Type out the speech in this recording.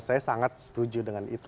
saya sangat setuju dengan itu